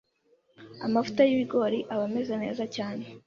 Amavuta y’ibigori aba meza cyane